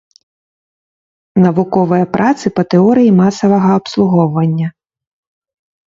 Навуковыя працы па тэорыі масавага абслугоўвання.